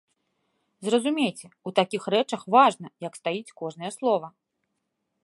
Зразумейце, у такіх рэчах важна, як стаіць кожнае слова.